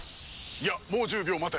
いやもう１０秒待て。